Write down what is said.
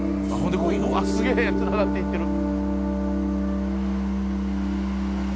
すげえつながっていってる。